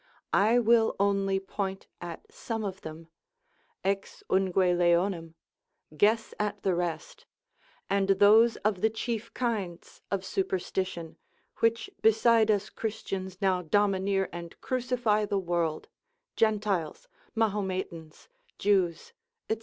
I will only point at some of them, ex ungue leonem guess at the rest, and those of the chief kinds of superstition, which beside us Christians now domineer and crucify the world, Gentiles, Mahometans, Jews, &c.